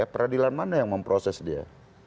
peradilan mana yang memproses dia